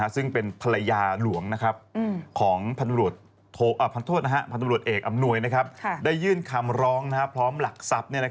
ซึ่งเป็นภรรยาหลวงของพันธบรวจเอกอำนวยได้ยื่นคำร้องพร้อมหลักทรัพย์